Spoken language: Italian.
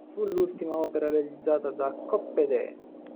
Fu l'ultima opera realizzata da Coppedè.